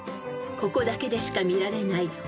［ここだけでしか見られない］では宇治原。